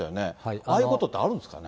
ああいうことってあるんですかね。